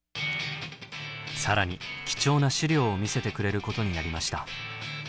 更に貴重な資料を見せてくれることになりました。